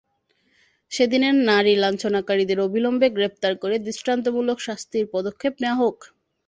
সেদিনের নারী লাঞ্ছনাকারীদের অবিলম্বে গ্রেপ্তার করে দৃষ্টান্তমূলক শাস্তির পদক্ষেপ নেওয়া হোক।